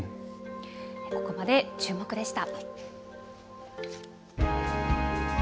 ここまでチューモク！でした。